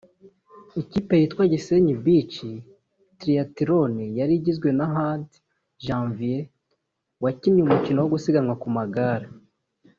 Ikipe yitwa “Gisenyi Beach Triathlon” yari igizwe na Hadi Janvier wakinnye umukino wo gusiganwa ku magare